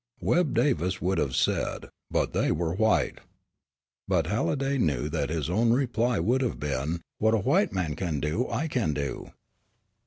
Webb Davis would have said, "but they were white," but Halliday knew what his own reply would have been: "What a white man can do, I can do."